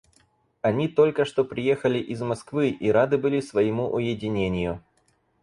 Они только что приехали из Москвы и рады были своему уединению.